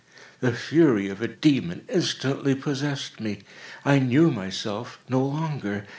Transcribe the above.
The fury of a demon instantly possessed me. I knew myself no longer.